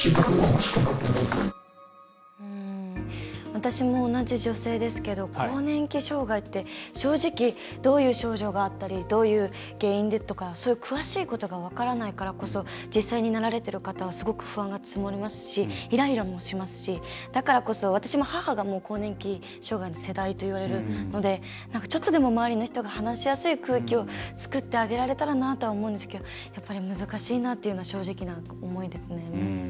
私も、同じ女性ですけど更年期障害って正直どういう症状があったりどういう原因でとかそういう詳しいことが分からないからこそ実際に、なられてる方はすごく不安が募りますしイライラもしますし、だからこそ私も母が、もう更年期障害の世代といわれるのでちょっとでも周りの人が話しやすい空気を作ってあげられたらなとは思うんですけどやっぱり難しいなというのは正直な思いですね。